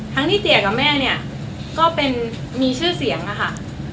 ทั้งที่เตี๋ยกับแม่เนี่ยก็เป็นมีชื่อเสียงอะค่ะ